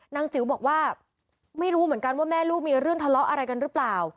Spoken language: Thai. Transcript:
จิ๋วบอกว่าไม่รู้เหมือนกันว่าแม่ลูกมีเรื่องทะเลาะอะไรกันหรือเปล่า